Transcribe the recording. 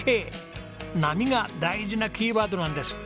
「波」が大事なキーワードなんです。